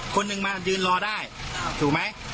คนหนึ่งมายืนรอได้ถูกไหม